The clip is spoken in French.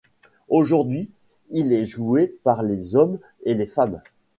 Aujourd'hui, il est joué par les hommes et les femmes.